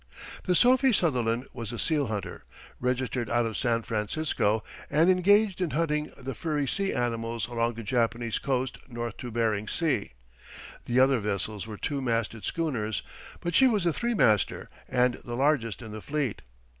The Sophie Sutherland was a seal hunter, registered out of San Francisco, and engaged in hunting the furry sea animals along the Japanese coast north to Bering Sea. The other vessels were two masted schooners, but she was a three master and the largest in the fleet.